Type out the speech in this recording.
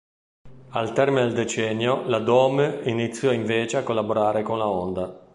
Al termine del decennio la Dome iniziò invece a collaborare con la Honda.